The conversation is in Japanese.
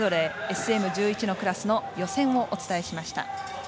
ＳＭ１１のクラスの予選をお伝えしました。